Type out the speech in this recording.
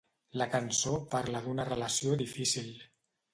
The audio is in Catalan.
La cançó parla d'una relació difícil.